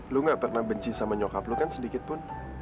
lo nggak pernah benci sama nyokap lo kan sedikit pun